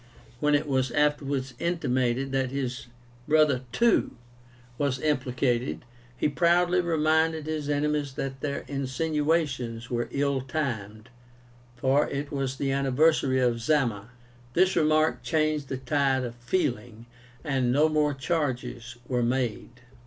When it was afterwards intimated that his brother too was implicated, he proudly reminded his enemies that their insinuations were ill timed, for it was the anniversary of Zama. This remark changed the tide of feeling, and no more charges were made.